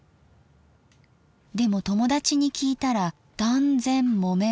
でも友達に聞いたら断然木綿派でした。